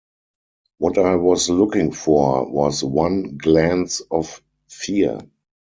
What I was looking for was one glance of fear.